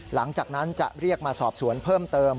หลังจากนั้นจะเรียกมาสอบสวนเพิ่มเติม